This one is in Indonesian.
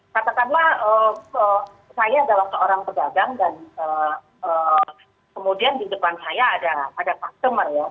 katakanlah saya adalah seorang pedagang dan kemudian di depan saya ada customer ya